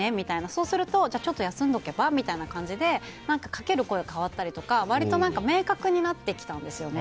そうすると休んでおけばみたいな感じでかける声が変わったりとか割と明確になってきたんですよね。